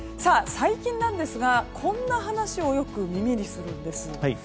最近ですが、こんな話をよく耳にするんです。